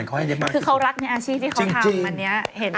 เห็นข้าวเจ๋เนอะ